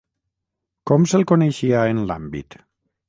Com se'l coneixia en l'àmbit?